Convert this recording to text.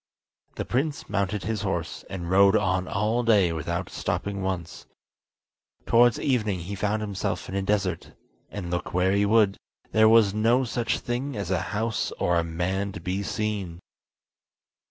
The prince mounted his horse, and rode on all day without stopping once. Towards evening he found himself in a desert, and, look where he would, there was no such thing as a house or a man to be seen.